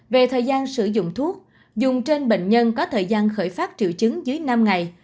về thời gian sử dụng thuốc dùng trên bệnh nhân có thời gian khởi phát triệu chứng dưới năm ngày